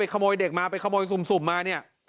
ขโมยเด็กมาไปขโมยสุ่มมาเนี่ย